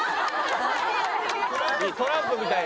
トランプみたい。